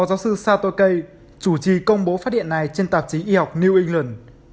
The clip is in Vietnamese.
giáo sư satake chủ trì công bố phát hiện này trên tạp chí y học new england